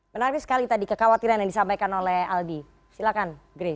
menarik sekali tadi kekhawatiran yang disampaikan oleh aldi silakan grey